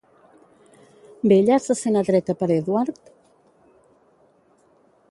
Bella se sent atreta per Edward?